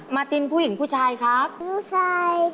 ตินผู้หญิงผู้ชายครับผู้ชายค่ะ